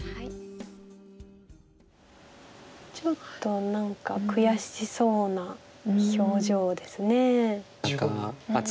ちょっと何か悔しそうな表情ですね。